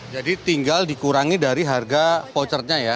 jadi tinggal dikurangi dari harga vouchernya ya